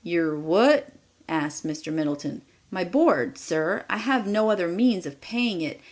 "Your what?" asked Mr. Middleton. "My board, sir. I have no other means of paying it.